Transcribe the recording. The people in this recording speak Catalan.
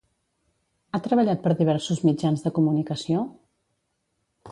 Ha treballat per diversos mitjans de comunicació?